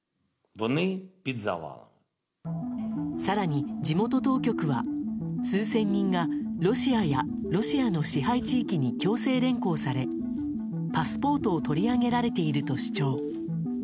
更に地元当局は数千人が、ロシアやロシアの支配地域に強制連行されパスポートを取り上げられていると主張。